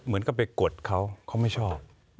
เหมือนกับไปกดเขาเขาไม่ชอบ